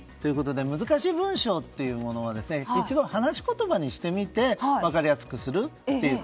難しい文章というのは一度話し言葉にしてみて分かりやすくするという。